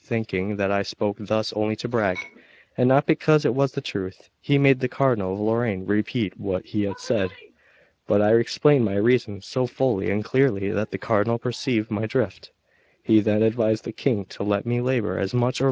Thinking that I spoke thus only to brag, and not because it was the truth, he made the Cardinal of Lorraine repeat what he had said; but I explained my reasons so fully and clearly, that the Cardinal perceived my drift; he then advised the King to let me labour as much or little as I liked.